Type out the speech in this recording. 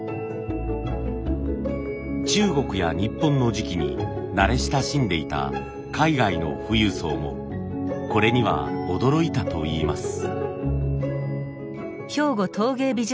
中国や日本の磁器に慣れ親しんでいた海外の富裕層もこれには驚いたといいます。